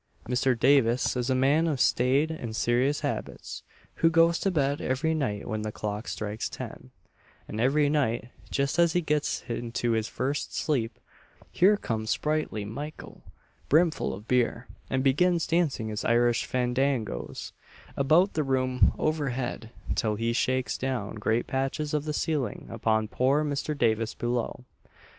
Mr. Davis is a man of staid and serious habits, who goes to bed every night when the clock strikes ten, and every night just as he gets into his first sleep home comes sprightly Mykle, brimful of beer, and begins dancing his "Irish fandangoes" about the room overhead, till he shakes down great patches of the ceiling upon poor Mr. Davis below.